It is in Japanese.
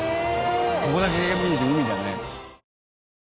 ここだけ見ると海だね。